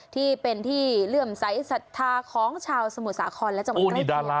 ที่เป็นที่เลื่อมใสสัทธาของชาวสมุทรสาครและจังหวัดใกล้